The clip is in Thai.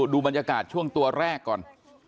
ดูบรรยากาศช่วงตัวแรกก่อน